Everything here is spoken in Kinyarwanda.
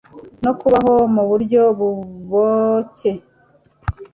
no kubaho mu buryo buboncye.